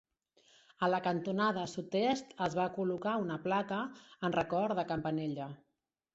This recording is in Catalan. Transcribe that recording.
A la cantonada sud-est es va col·locar una placa en record de Campanella.